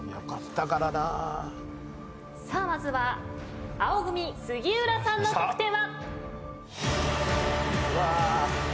さあまずは青組杉浦さんの得点は。